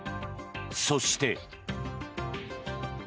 そして。